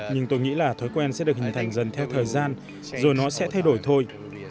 nhưng tôi nghĩ là thói quen sẽ được hình thành dần theo thời gian rồi nó sẽ thay đổi thôi